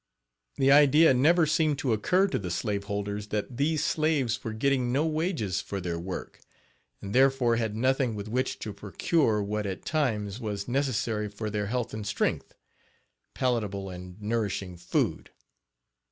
The idea never seemed to occur to the slave holders that these slaves were getting no wages for their work and, therefore, had nothing with which to procure what, at times, was necessary for their health and strength palatable and nourishing food.